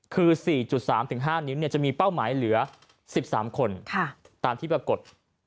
คือ๔๓๕นิ้วจะมีเป้าหมายเหลือ๑๓คนตามที่ปรากฏ